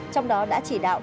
trong đó đã chỉ đạo